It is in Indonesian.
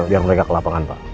biar mereka ke lapangan pak